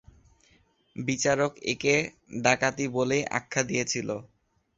বিচারক একে ডাকাতি বলেই আখ্যা দিয়েছিল।